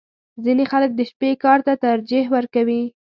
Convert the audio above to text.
• ځینې خلک د شپې کار ته ترجیح ورکوي.